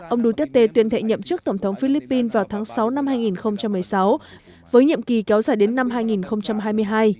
ông duterte tuyên thệ nhậm chức tổng thống philippines vào tháng sáu năm hai nghìn một mươi sáu với nhiệm kỳ kéo dài đến năm hai nghìn hai mươi hai